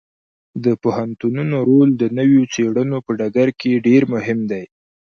د پوهنتونونو رول د نویو څیړنو په ډګر کې ډیر مهم دی.